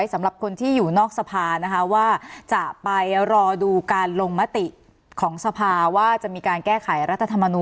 สนับสนุนโดยทีโพพิเศษถูกอนามัยสะอาดใสไร้คราบ